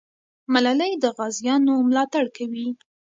ملالۍ د غازیانو ملاتړ کوي.